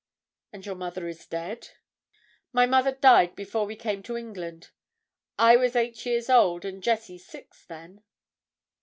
"And your mother is dead?" "My mother died before we came to England. I was eight years old, and Jessie six, then."